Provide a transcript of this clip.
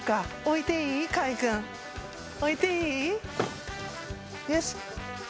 置いていい？よし。